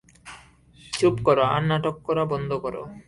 চুপ করো আর নাটক করা বন্ধ করো।